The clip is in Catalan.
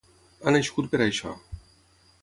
Ha nascut per a això.